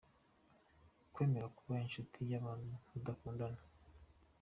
Kwemera kuba inshuti y’ abantu mudakundana.